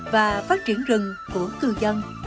và phát triển rừng của cư dân